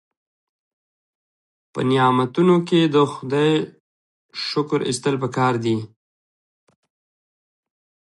په نعمتونو کې د خدای شکر ایستل پکار دي.